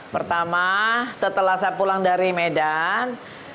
pertama setelah saya pulang dari medan